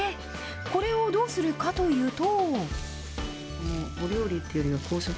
これをどうするかというと。